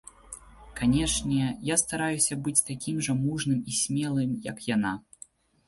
Канечне, я стараюся быць такім жа мужным і смелым, як яна.